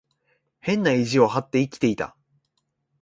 変な意地を張って生きていた。